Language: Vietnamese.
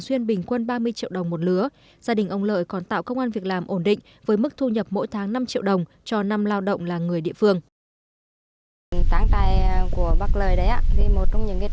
gia đình ông lợi còn tạo công an việc làm ổn định với mức thu nhập mỗi tháng năm triệu đồng cho năm lao động làng người địa phương